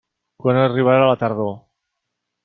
Quan arribarà la tardor?